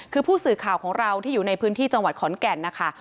คือผู้สื่อข่าวของเราที่อยู่ในพื้นที่จังหวัดขอนแก่นนะคะ